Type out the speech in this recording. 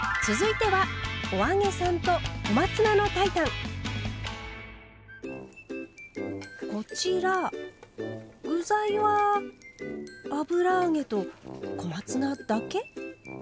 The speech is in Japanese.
続いてはこちら具材は油揚げと小松菜だけ？